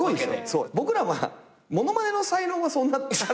僕らはものまねの才能はそんな。